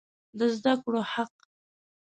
د زده کړو حق